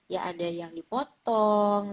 ya ada yang dipotong